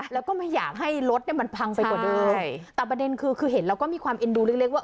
แล้วก็ไม่อยากให้รถเนี่ยมันพังไปกว่าเดิมใช่แต่ประเด็นคือคือเห็นแล้วก็มีความเอ็นดูเล็กเล็กว่า